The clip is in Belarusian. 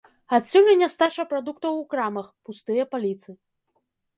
Адсюль і нястача прадуктаў у крамах, пустыя паліцы.